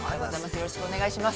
◆よろしくお願いします。